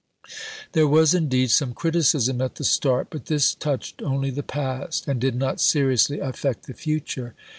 There was, indeed, some criticism at the start, but this touched only the past, and did not seriously affect the future.